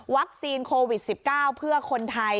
วัคซีนโควิด๑๙เพื่อคนไทย